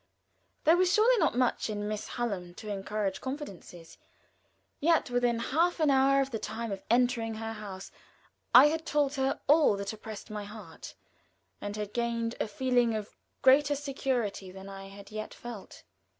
There was surely not much in Miss Hallam to encourage confidences; yet within half an hour of the time of entering her house I had told her all that oppressed my heart, and had gained a feeling of greater security than I had yet felt.